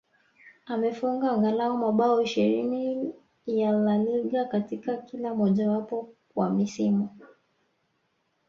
Amefunga angalau mabao ishirini ya La Liga katika kila mmojawapo wa misimu